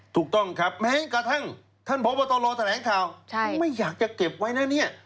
ถูกต้องครับแม้กระทั่งท่านพบตรแถลงข่าวไม่อยากจะเก็บไว้นะเนี่ย